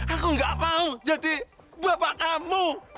aku gak mau jadi bapak kamu